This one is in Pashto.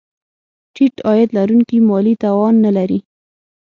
ټیټ عاید لرونکي مالي توان نه لري.